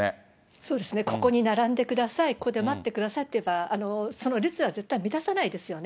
そうですね、ここに並んでください、ここで待ってくださいって言えば、その列は絶対乱さないですよね。